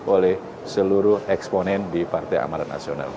oleh seluruh eksponen di partai amarat nasional